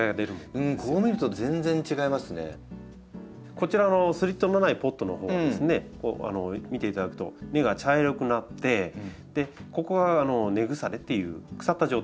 こちらのスリットのないポットのほうを見ていただくと根が茶色くなってでここは根腐れっていう腐った状態なんですね。